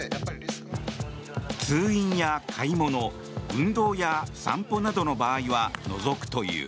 通院や買い物運動や散歩などの場合は除くという。